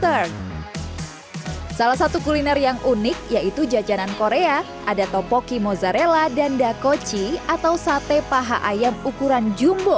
jepang juga terdapat banyak kuliner yang menarik seperti jajanan korea topoki mozzarella dakochi atau satay paha ayam ukuran jumbo